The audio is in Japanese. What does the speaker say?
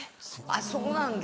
あっそうなんだ。